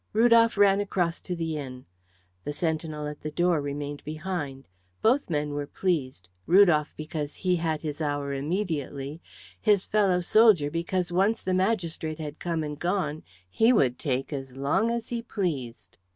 Rudolf ran across to the inn. The sentinel at the door remained behind. Both men were pleased, Rudolf because he had his hour immediately, his fellow soldier because once the magistrate had come and gone, he would take as long as he pleased.